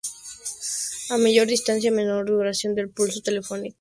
A mayor distancia, menor duración del pulso telefónico.